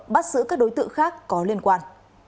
bắt giữ các đối tượng khác có liên quan